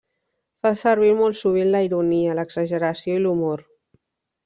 Fa servir molt sovint la ironia, l'exageració i l'humor.